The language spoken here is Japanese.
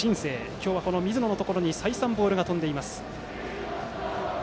今日は、この水野のところに再三、ボールが飛んでいます。